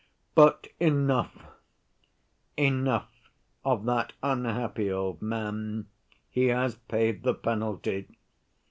"But enough, enough of that unhappy old man; he has paid the penalty.